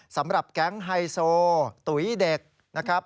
สำหรับแก๊งไฮโซตุ๋ยเด็กนะครับ